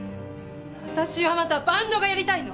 私はまたバンドがやりたいの。